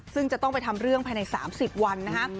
ซึ่งจะต้องไปทำเรื่องภายใน๓๐วันนะคะ